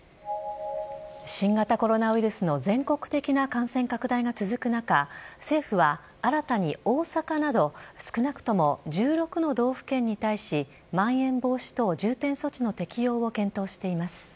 新型コロナウイルスの全国的な感染拡大が続く中、政府は、新たに大阪など、少なくとも１６の道府県に対し、まん延防止等重点措置の適用を検討しています。